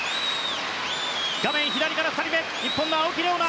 画面左から２人目日本の青木玲緒樹。